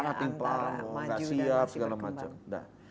sangat timpang enggak siap segala macam